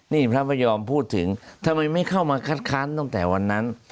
นี่พระไม่ยอมพูดถึงทำไมไม่เข้ามาคัดค้านตั้งแต่วันนั้น